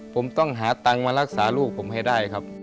ผมต้องหาตังค์มารักษาลูกผมให้ได้ครับ